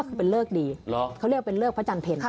คือเป็นเลิกดีเขาเรียกว่าเป็นเลิกพระจันทร์เพล